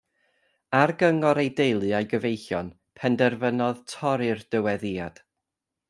Ar gyngor ei deulu a'i gyfeillion penderfynodd torri'r dyweddïad.